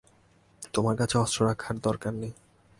তোমার কাছে অস্ত্র রাখার দরকার নেই।